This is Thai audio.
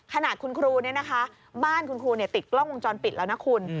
ขนาดคุณครูเนี่ยนะคะบ้านคุณครูติดกล้องวงจรปิดแล้วนะคุณ